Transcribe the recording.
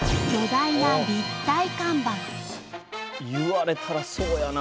言われたらそうやな。